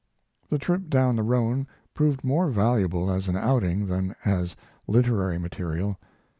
The trip down the Rhone proved more valuable as an outing than as literary material.